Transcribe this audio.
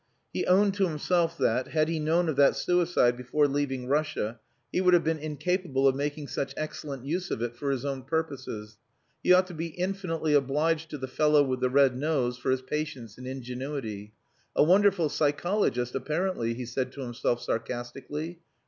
He owned to himself that, had he known of that suicide before leaving Russia, he would have been incapable of making such excellent use of it for his own purposes. He ought to be infinitely obliged to the fellow with the red nose for his patience and ingenuity, "A wonderful psychologist apparently," he said to himself sarcastically.